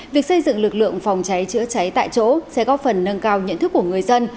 việc xây dựng lực lượng phòng cháy chữa cháy tại chỗ sẽ góp phần nâng cao nhận thức của người dân